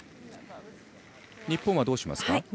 日本はどうしますか。